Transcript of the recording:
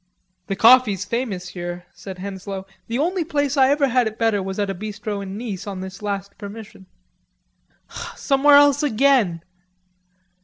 "The coffee's famous here," said Henslowe. "The only place I ever had it better was at a bistro in Nice on this last permission." "Somewhere else again!"